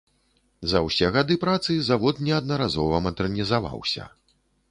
За ўсе гады працы завод неаднаразова мадэрнізаваўся.